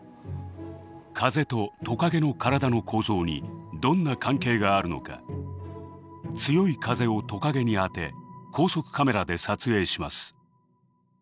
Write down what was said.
風とトカゲの体の構造にどんな関係があるのか強い風をトカゲに当て高速カメラで撮影します。